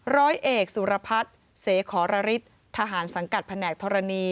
ร้อยเอกสุรพัฒน์เสขอระฤทธิ์ทหารสังกัดแผนกธรณี